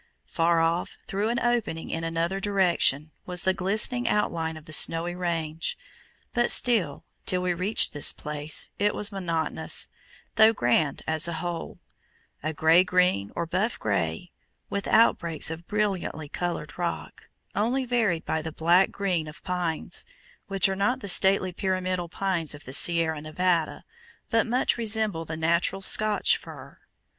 Far off, through an opening in another direction, was the glistening outline of the Snowy Range. But still, till we reached this place, it was monotonous, though grand as a whole: a grey green or buff grey, with outbreaks of brilliantly colored rock, only varied by the black green of pines, which are not the stately pyramidal pines of the Sierra Nevada, but much resemble the natural Scotch fir.